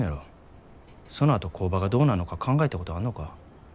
そのあと工場がどうなんのか考えたことあんのか？